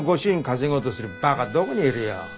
稼ごうとするバカどこにいるよ。